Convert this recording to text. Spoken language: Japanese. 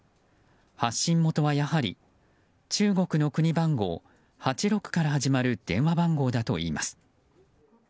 発信元はやはり中国の国番号８６から始まる電話番号だといいます。